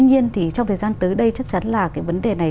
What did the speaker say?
thế nhưng tuy nhiên thì trong thời gian tới đây chắc chắn là cái vấn đề này